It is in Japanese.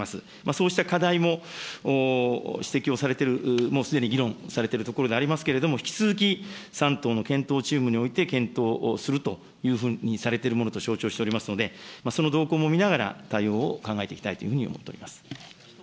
そうした課題も指摘をされてる、もうすでに議論されているところでありますけれども、引き続き３党の検討チームにおいて検討をするというふうにされているものと承知をしておりますので、その動向も見ながら、対応を考えていき岸田